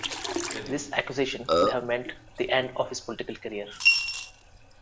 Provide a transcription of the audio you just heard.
This accusation could have meant the end of his political career.